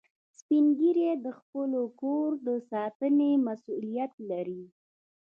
سپین ږیری د خپلو کورو د ساتنې مسئولیت لري